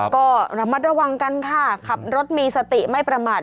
ก็ระมัดระวังกันค่ะขับรถมีสติไม่ประมาท